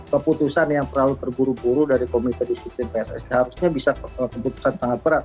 keputusan yang terlalu terburu buru dari komite disiplin pssi harusnya bisa keputusan sangat berat